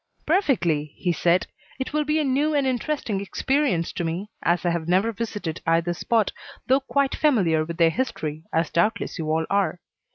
"Perfectly," he said; "it will be a new and interesting experience to me, as I have never visited either spot, though quite familiar with their history, as doubtless you all are."